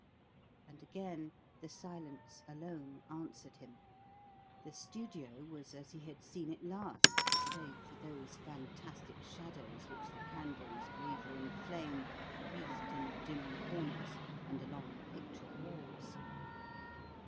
And again the silence alone answered him. The studio was as he had seen it last, save for those fantastic shadows which the candle's wavering flame wreathed in the dim corners and along the pictured walls.